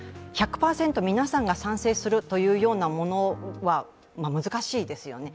１００％皆さんが賛成するというようなものは難しいですよね。